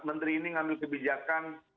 menteri ini ngambil kebijakan